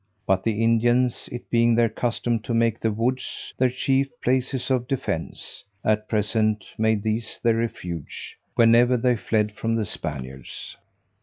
But the Indians, it being their custom to make the woods their chief places of defence, at present made these their refuge, whenever they fled from the Spaniards.